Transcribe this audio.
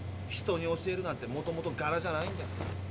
人に教えるなんてもともとがらじゃないんだ。